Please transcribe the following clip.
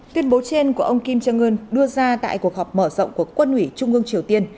tuyên bố trên của ông kim jong un đưa ra tại cuộc họp mở rộng của quân ủy trung ương triều tiên